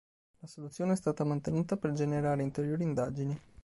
La soluzione è stata mantenuta per generare ulteriori indagini.